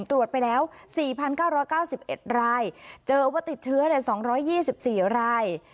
ตรวจไปแล้ว๔๙๙๑รายเจอว่าติดเชื้อ๒๒๔ราย